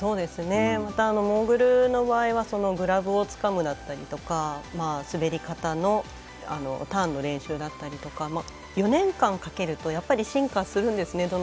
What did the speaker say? またモーグルの場合はグラブをつかむだったりとか滑り方のターンの練習だったり４年間かけるとやっぱり進化するんですね。